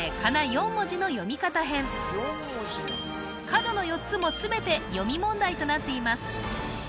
角の４つも全て読み問題となっています